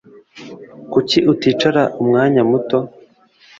Kuki uticara umwanya muto